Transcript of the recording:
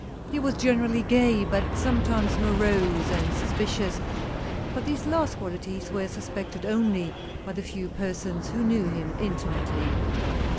He was generally gay, but sometimes morose and sus picious ; but these last qualities were suspected only by the few persons who knew him intimately.